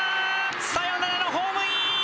サヨナラのホームイン。